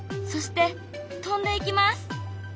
そして飛んでいきます。